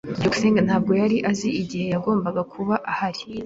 byukusenge ntabwo yari azi igihe yagombaga kuba ahari.